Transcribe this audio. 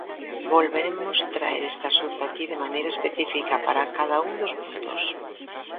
Volveremos traer este asunto aquí de maneira específica para cada un dos puntos.